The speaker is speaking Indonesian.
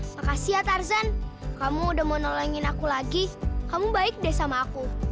makasih ya tarzan kamu udah mau nolongin aku lagi kamu baik deh sama aku